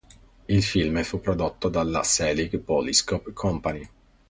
Il film fu prodotto dalla Selig Polyscope Company.